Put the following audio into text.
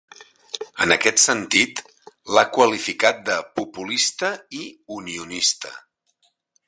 En aquest sentit, l'ha qualificat de "populista i unionista".